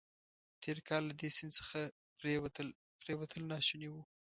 تېر کال له دې سیند څخه پورېوتل ناشوني وو.